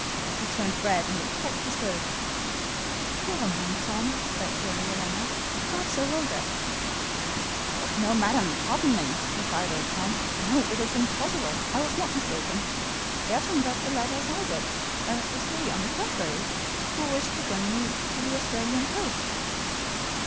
He turned red and looked quite disturbed. "Never mind, Tom," said Lady Helena. "God so willed it." "But, no, madam, pardon me," replied old Tom. "No, it is impossible, I was not mistaken. Ayrton read the letter as I did, and it was he, on the contrary, who wished to bring me to the Australian coast."